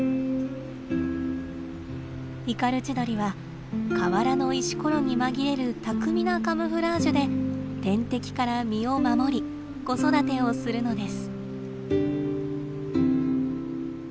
イカルチドリは河原の石ころに紛れる巧みなカムフラージュで天敵から身を守り子育てをするのです。